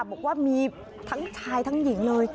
บอกว่ามีทั้งชายทั้งหญิงเลย